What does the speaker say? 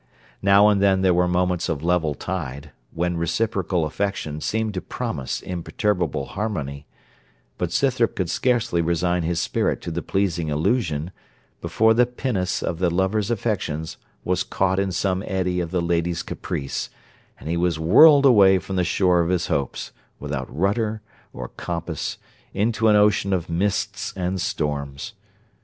Now and then there were moments of level tide, when reciprocal affection seemed to promise imperturbable harmony; but Scythrop could scarcely resign his spirit to the pleasing illusion, before the pinnace of the lover's affections was caught in some eddy of the lady's caprice, and he was whirled away from the shore of his hopes, without rudder or compass, into an ocean of mists and storms.